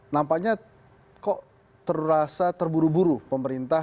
nampaknya kok terasa terburu buru pemerintah